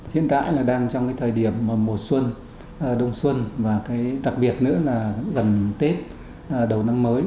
hiện tại đang trong thời điểm mùa xuân đông xuân và đặc biệt nữa là gần tết đầu năm mới